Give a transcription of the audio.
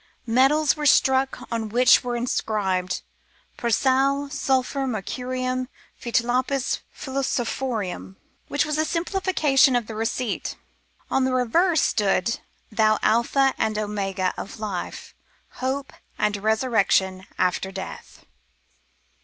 Medals were struck on which were inscribed " Per Sal, Sulphur, Mercurium, Fit Lapis Philosophorum," which was a simplification of the receipt. On the reverse stood, "Thou Alpha and Omega of Life, Hope and Resurrection after Death."